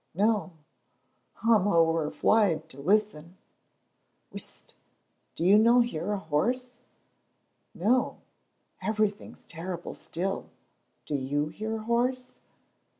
"No; I'm ower fleid to listen." "Whisht! do you no hear a horse?" "No, everything's terrible still. Do you hear a horse?"